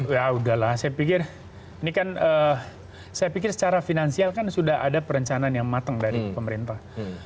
ya udahlah saya pikir ini kan saya pikir secara finansial kan sudah ada perencanaan yang matang dari pemerintah